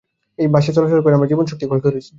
এই বাসে চলাচল করেই আমরা জীবনীশক্তি ক্ষয় করছি।